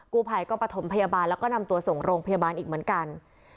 กู้ภัยก็ประถมพยาบาลแล้วก็นำตัวส่งโรงพยาบาลอีกเหมือนกัน